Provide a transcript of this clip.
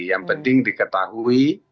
yang penting diketahui